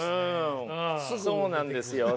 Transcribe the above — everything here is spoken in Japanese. そうなんですよね。